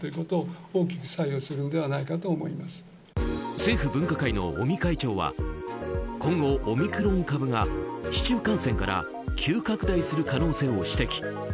政府分科会の尾身会長は今後、オミクロン株が市中感染から急拡大する可能性を指摘。